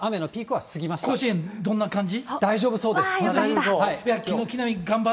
甲子園、どんな感じ？